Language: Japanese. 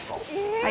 はい。